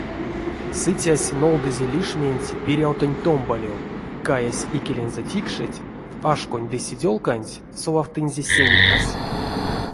Сыцясь нолдызе лишменть пирявтонть томбалев, каясь икелензэ тикшеть, ашконть ды седёлканть совавтынзе сеникас.